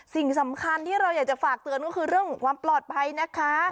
สิ่งสำคัญที่เราอยากจะฝากเตือนก็คือเรื่องของความปลอดภัยนะคะ